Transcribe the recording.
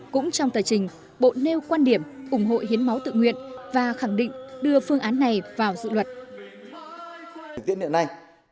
cũng trong tờ trình bộ nêu quan điểm ủng hộ hiến máu tự nguyện và khẳng định đưa phương án này vào dự luật